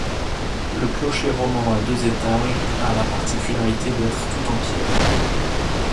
Le clocher roman à deux étages a la particularité d’être tout en pierre.